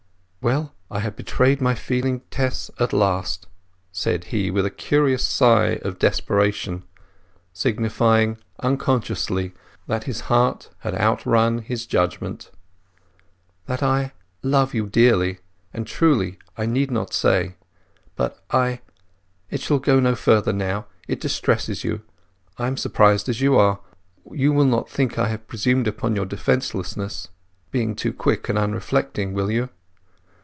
"Well, I have betrayed my feeling, Tess, at last," said he, with a curious sigh of desperation, signifying unconsciously that his heart had outrun his judgement. "That I—love you dearly and truly I need not say. But I—it shall go no further now—it distresses you—I am as surprised as you are. You will not think I have presumed upon your defencelessness—been too quick and unreflecting, will you?"